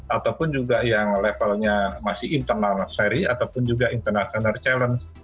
ataupun juga yang levelnya masih internal seri ataupun juga internal challenge